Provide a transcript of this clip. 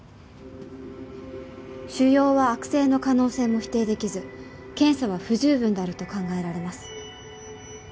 腫瘍は悪性の可能性も否定できず検査は不十分であると考えられます。